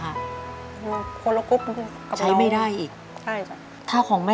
คนละกุ๊บกับน้อง